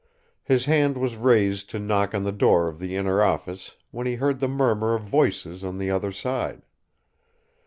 His hand was raised to knock on the door of the inner office when he heard the murmur of voices on the other side.